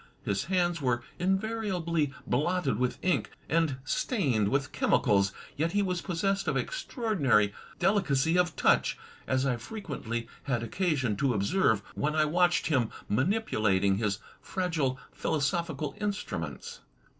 His hands were invariably blotted with ink and stained with chemicals, yet he was possessed of extraordinary delicacy of touch, as I frequently had occasion to observe when I watched him manipulating his fragile philosophical instruments.